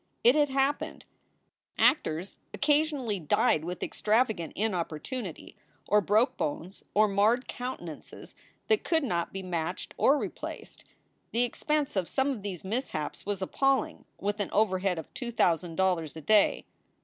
It had happened. Actors occasionally died with extravagant inopportunity, or broke bones, or marred countenances that could not be matched or replaced. The expense of some of these mishaps was appalling, with an overhead of two thousand dollars a day.